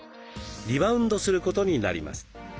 リバウンドすることになります。